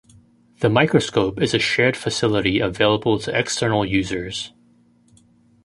The microscope is a shared facility available to external users.